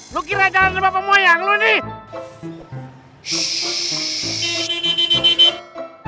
lo kira jalan sebab pemoyang lo nih